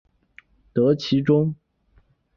得其中